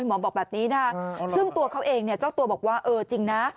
หมอบอกแบบนี้นะซึ่งตัวเขาเองเนี่ยเจ้าตัวบอกว่าเออจริงนะ